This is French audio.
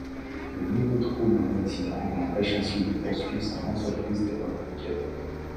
De nouveaux troubles en occident l’empêchent ensuite de poursuivre son entreprise de reconquête.